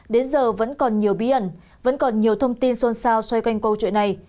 đến giờ vẫn còn nhiều bí ẩn vẫn còn nhiều thông tin xôn xao xoay quanh câu chuyện này